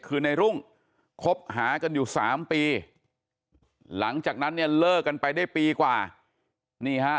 คือในรุ่งคบหากันอยู่๓ปีหลังจากนั้นเนี่ยเลิกกันไปได้ปีกว่านี่ฮะ